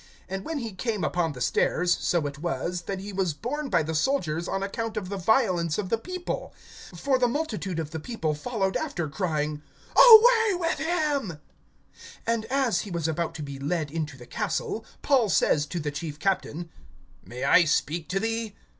(35)And when he came upon the stairs, so it was, that he was borne by the soldiers on account of the violence of the people. (36)For the multitude of the people followed after, crying: Away with him. (37)And as he was about to be led into the castle, Paul says to the chief captain: May I speak to thee?